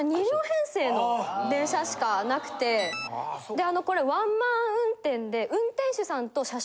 でこれあのワンマン運転で。